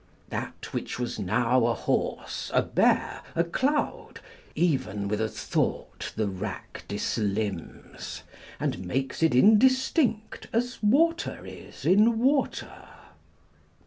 That which was now a horse, a bear, a cloud, Even with a thought the rack dislimns, And makes it indistinct as water is in water.